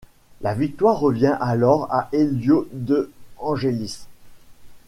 La victoire revient alors à Elio De Angelis.